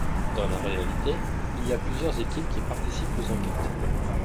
Dans la réalité, il y a plusieurs équipes qui participent aux enquêtes.